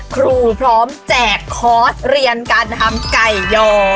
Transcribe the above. ครูพร้อมแจกคอร์สเรียนการทำไก่ยอ